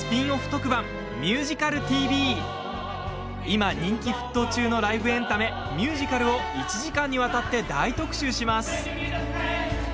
今、人気沸騰中のライブエンタメ、ミュージカルを１時間にわたって大特集します。